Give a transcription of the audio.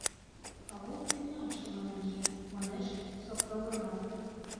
— Пагул пивнойышто мален кия, — манеш Сопром Роман.